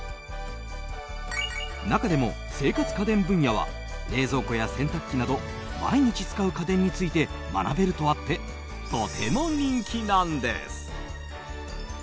中でも生活家電分野は冷蔵庫や洗濯機など毎日使う家電について学べるとあってとても人気なんです。